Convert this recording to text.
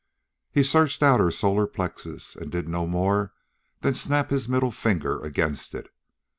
He searched out her solar plexus, and did no more than snap his middle finger against it.